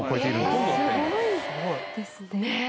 すごいですね。